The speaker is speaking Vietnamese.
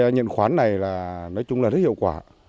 nhận khoán này nói chung là rất hiệu quả